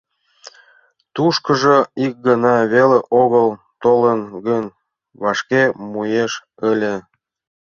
Тушкыжо ик гана веле огыл толын гын, вашке муэш ыле.